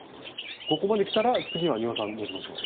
ここまできたら次は丹羽さんどうしましょう。